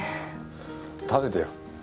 食べてよ。